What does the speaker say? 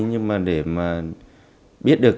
nhưng mà để mà biết được